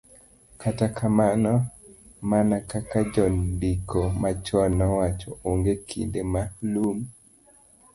Kata kamano, mana kaka jondiko machon nowacho, onge kinde ma lum